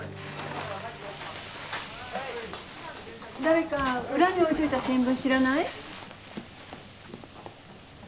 誰か裏に置いといた新聞知らない？